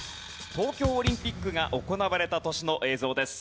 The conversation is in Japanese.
東京オリンピックが行われた年の映像です。